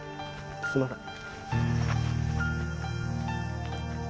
すいません。